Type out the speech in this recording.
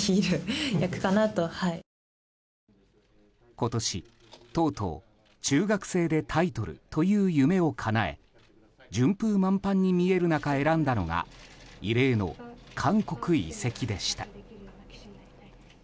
今年とうとう中学生でタイトルという夢をかなえ順風満帆に見える中選んだのが異例の韓国移籍でした。